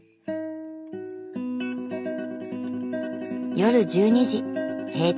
夜１２時閉店。